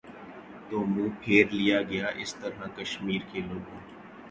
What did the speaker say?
تو منہ پھیر لیا گیا اس طرح کشمیر کے لوگوں